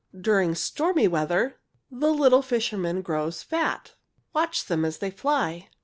During stormy weather the little fisherman grows fat. "Watch them as they fly.